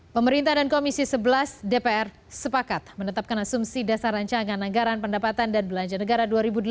pemerintah dan komisi sebelas dpr sepakat menetapkan asumsi dasar rancangan anggaran pendapatan dan belanja negara dua ribu delapan belas